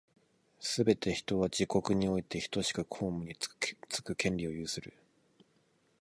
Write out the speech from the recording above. すべて人は、自国においてひとしく公務につく権利を有する。